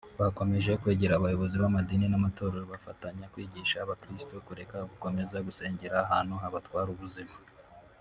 Bakomeje kwegera abayobozi b’amadini n’amatorero bafatanya kwigisha abakirisito kureka gukomeza gusengera ahantu habatwara ubuzima